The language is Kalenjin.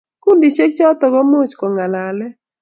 kundishek chutok ko much ko ngalaee